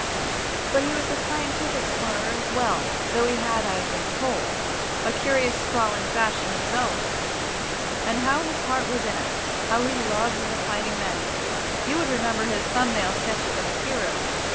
But he was a scientific sparrer as well, though he had, I have been told, a curious sprawling fashion of his own. And how his heart was in it—how he loved the fighting men! You remember his thumb nail sketches of his heroes.